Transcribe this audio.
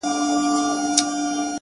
له هغه وخته مو خوښي ليدلې غم نه راځي،